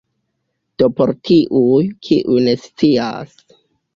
Do por tiuj, kiuj ne scias